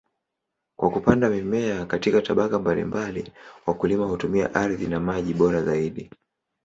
Kwa kupanda mimea katika tabaka mbalimbali, wakulima hutumia ardhi na maji bora zaidi.